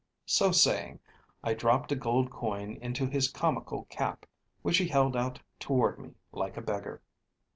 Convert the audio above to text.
So saying, I dropped a gold coin into his comical cap, which he held out toward me like a beggar.